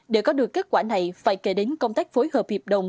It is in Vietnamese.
để có được kết quả này phải kể đến công tác phối hợp hiệp đồng